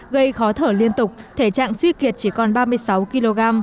gây khó thở liên tục thể trạng suy kiệt chỉ còn ba mươi sáu kg